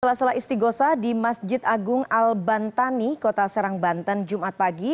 salah salah isti gosah di masjid agung al bantani kota serang banten jumat pagi